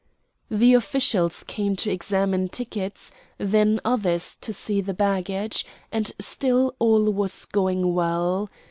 The officials came to examine tickets, then others to see the baggage, and still all was going well.